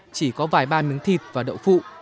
chỉ có vài ba miếng thịt và đậu phụ